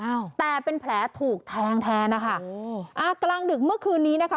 อ้าวแต่เป็นแผลถูกแทงแทนนะคะโอ้อ่ากลางดึกเมื่อคืนนี้นะคะ